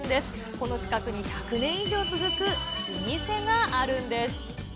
この近くに１００年以上続く老舗があるんです。